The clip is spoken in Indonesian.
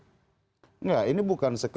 kalau dilaporkan ke dewan etik di kpk misalnya